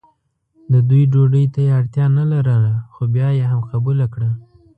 د دوی ډوډۍ ته یې اړتیا نه لرله خو بیا یې هم قبوله کړه.